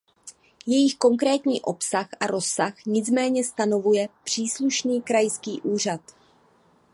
Jejich konkrétní obsah a rozsah nicméně stanovuje příslušný krajský úřad.